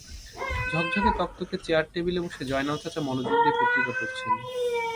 ঝকঝকে তকতকে চেয়ার টেবিলে বসে জয়নাল চাচা মনোযোগ দিয়ে পত্রিকা পড়ছেন।